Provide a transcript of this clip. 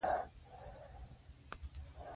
دوی دوه کنډکه ستانه سول.